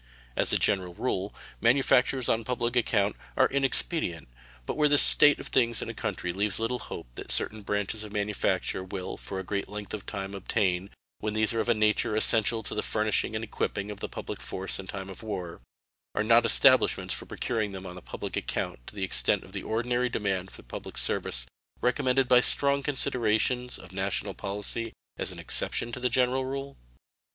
As a general rule, manufactures on public account are inexpedient; but where the state of things in a country leaves little hope that certain branches of manufacture will for a great length of time obtain, when these are of a nature essential to the furnishing and equipping of the public force in time of war, are not establishments for procuring them on public account to the extent of the ordinary demand for the public service recommended by strong considerations of national policy as an exception to the general rule?